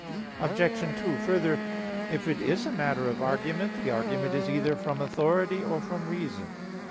Obj. 2: Further, if it is a matter of argument, the argument is either from authority or from reason.